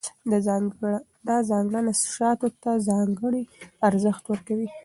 دا ځانګړنه شاتو ته ځانګړی ارزښت ورکوي.